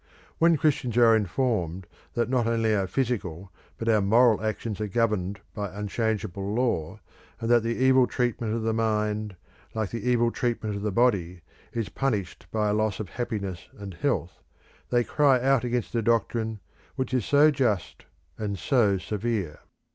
When Christians are informed that not only our physical but our moral actions are governed by unchangeable law, and that the evil treatment of the mind, like the evil treatment of the body, is punished by a loss of happiness and health, they cry out against a doctrine which is so just and so severe.